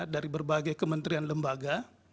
dari berbagai kementerian lembaga